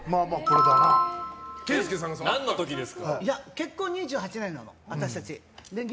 結婚２８年なのよ、私たち。